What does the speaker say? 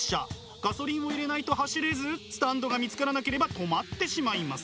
ガソリンを入れないと走れずスタンドが見つからなければ止まってしまいます。